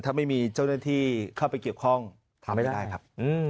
ถ้าไม่มีเจ้าหน้าที่เข้าไปเกี่ยวข้องทำให้ได้ครับ